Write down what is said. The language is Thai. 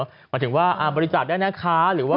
หมายถึงว่าบริจาคได้นะคะหรือว่า